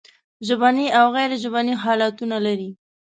ژبني او غیر ژبني حالتونه لري.